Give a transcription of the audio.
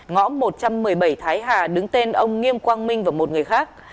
ngõ một trăm một mươi bảy thái hà đứng tên ông nghiêm quang minh và một người khác